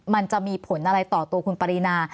มันจะมีผลอะไรต่อตัวคุณปรินา